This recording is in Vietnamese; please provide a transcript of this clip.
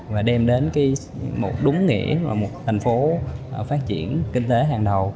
và đem đến một đúng nghĩa là một thành phố phát triển kinh tế hàng đầu